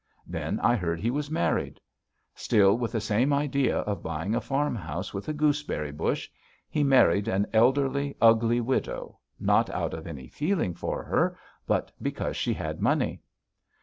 Then I heard he was married. Still with the same idea of buying a farmhouse with a gooseberry bush, he married an elderly, ugly widow, not out of any feeling for her, but because she had money.